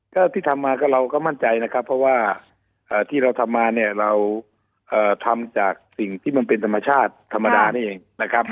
ก็ที่ทำมาก็เราก็มั่นใจนะครับเพราะว่าที่เราทำมาเนี่ยเราทำจากสิ่งที่มันเป็นธรรมชาติธรรมดานี่เองนะครับ